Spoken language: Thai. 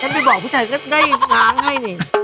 ฉันไปบอกผู้ชายได้ล้างให้